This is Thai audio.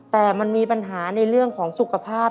แต่มันมีปัญหาในเรื่องของสุขภาพ